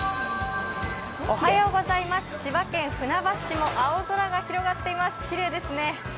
千葉県船橋市も青空が広がっています、きれいですね。